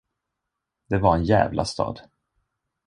Det var en djävla stad.